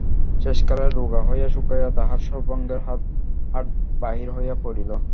শেষকালে রোগা হইয়া শুকাইয়া তাঁহার সর্বাঙ্গের হাড় বাহির হইয়া পড়িল।